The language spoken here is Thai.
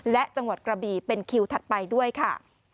และจังหวัดกระบีเป็นคิวถัดไปด้วยค่ะ